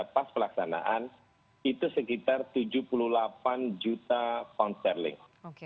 pas pelaksanaan itu sekitar tujuh puluh delapan juta pound sterling